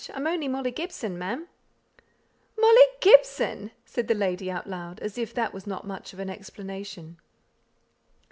I'm only Molly Gibson, ma'am." "Molly Gibson!" said the lady, out loud; as if that was not much of an explanation.